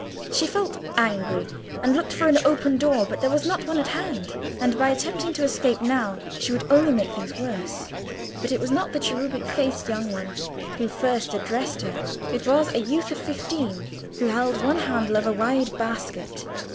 She felt angry, and looked for an open door, but there was not one at hand, and by attempting to escape now, she would only make things worse. But it was not the cherubic faced young one who first addressed her; it was a youth of fifteen, who held one handle of a wide basket.